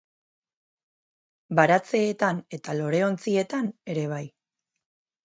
Baratzeetan eta loreontzietan ere bai.